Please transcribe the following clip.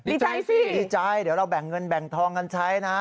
ดีใจสิดีใจเดี๋ยวเราแบ่งเงินแบ่งทองกันใช้นะ